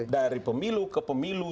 dari pemilu ke pemilu